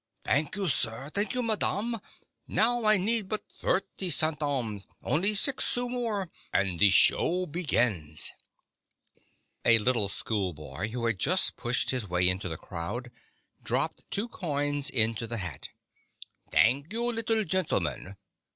" Thank you, sir. Thank you, madam. Now, I need but thirty centimes — only six sous more, and the show begins !" A little schoolboy, who had just pushed his way into the crowd, dropped two coins into the hat. " Thank you, little gentleman